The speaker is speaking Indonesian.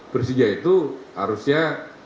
persija itu harusnya